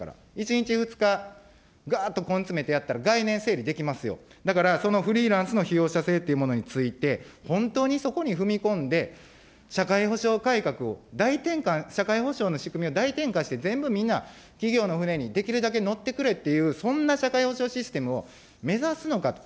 １日、２日、がーっと根詰めてやったら、概念整理できますよ、だからそのフリーランスの被用者性というものについて、本当にそこに踏み込んで、社会保障改革を大転換、社会保障の仕組みを大転換して全部みんな、企業の船に、できるだけ乗ってくれっていう、そんな社会保障システムを目指すのかと。